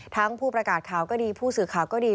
ผู้ประกาศข่าวก็ดีผู้สื่อข่าวก็ดี